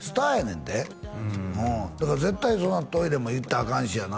んでだから絶対そんなトイレも行ったらあかんしやな